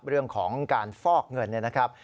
เรื่องของการฟอกเงินเนี่ยนะครับ